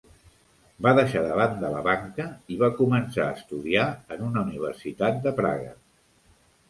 Va deixar de banda la banca i va començar a estudiar en una universitat de Praga.